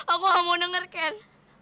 aku gak mau denger ken